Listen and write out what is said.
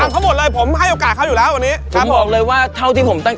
ค่าอย่างค่าอย่างใส่เท่าไรค่าอย่าง